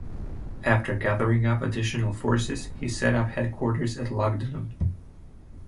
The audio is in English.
After gathering up additional forces, he set up headquarters at Lugdunum.